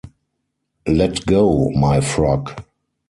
Let go my frock!